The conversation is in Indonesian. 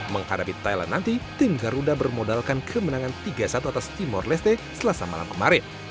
menghadapi thailand nanti tim garuda bermodalkan kemenangan tiga satu atas timur leste selasa malam kemarin